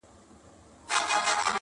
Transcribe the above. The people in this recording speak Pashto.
o حقيقت د دود للاندي پټيږي تل,